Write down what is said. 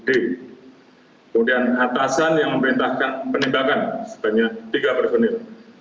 kemudian atasan yang memperintahkan penipakan sebanyak tiga personil